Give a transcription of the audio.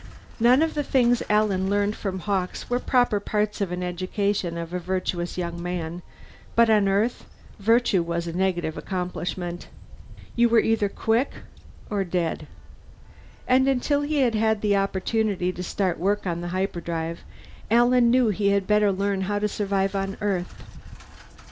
None of the things Alan learned from Hawkes were proper parts of the education of a virtuous young man but on Earth, virtue was a negative accomplishment. You were either quick or dead. And until he had an opportunity to start work on the hyperdrive, Alan knew he had better learn how to survive on Earth.